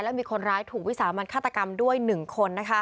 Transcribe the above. และมีคนร้ายถูกวิสามันฆาตกรรมด้วย๑คน